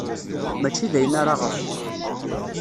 Mačči d ayen ara ɣren.